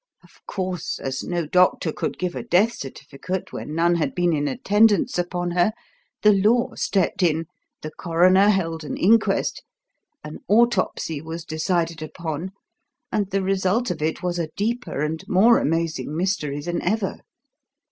Of course, as no doctor could give a death certificate when none had been in attendance upon her, the Law stepped in, the coroner held an inquest, an autopsy was decided upon, and the result of it was a deeper and more amazing mystery than ever.